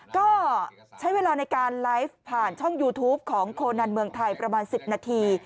ก็ใช้เวลาในการไลฟ์ผ่านช่องยูทูปของโคนันเมืองไทยประมาณ๑๐นาที